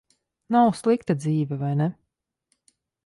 Nav slikta dzīve, vai ne?